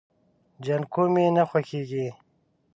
جانکو مې نه خوښيږي.